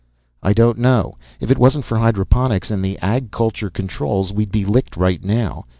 "I don't know. If it wasn't for hydroponics and the Ag Culture controls, we'd be licked right now.